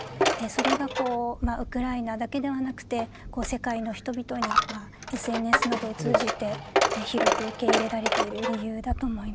それがこうウクライナだけではなくて世界の人々にＳＮＳなどを通じて広く受け入れられている理由だと思います。